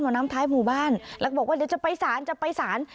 น้ำท้ายหมู่บ้านแล้วก็บอกว่าเดี๋ยวจะไปศาลจะไปสาร